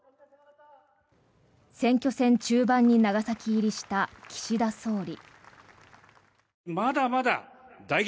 選挙戦中盤に長崎入りした岸田総理。